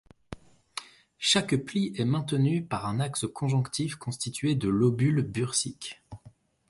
Chaque pli est maintenu par un axe conjonctif constitué de lobules bursiques.